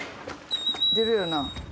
出るよな？